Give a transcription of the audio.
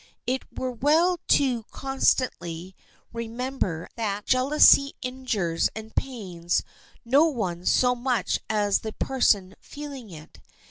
It were well to constantly remember that jealousy injures and pains no one so much as the person feeling it.